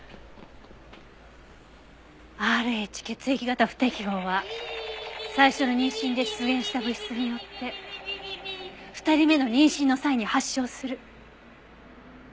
Ｒｈ血液型不適合は最初の妊娠で出現した物質によって２人目の妊娠の際に発症する。